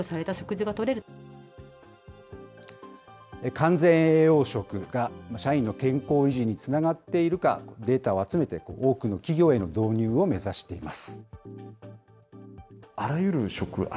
完全栄養食が社員の健康維持につながっているか、データを集めて、多くの企業への導入を目指しています。